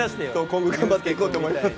今後頑張っていこうと思います